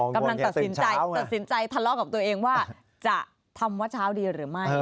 กำลังตัดสินใจตัดสินใจทะเลาะกับตัวเองว่าจะทำว่าเช้าดีหรือไม่